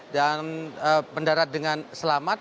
dan mendarat dengan selamat